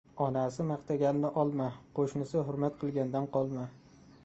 • Onasi maqtaganni olma, qo‘shnisi hurmat qilgandan qolma.